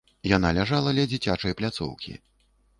Яна ляжала ля дзіцячай пляцоўкі.